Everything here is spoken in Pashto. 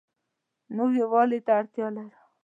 موږ يووالي ته اړتيا لرو